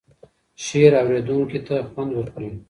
شعر اوریدونکی ته خوند ورکوي.